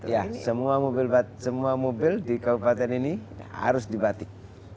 ya semua mobil di kabupaten ini harus dibatik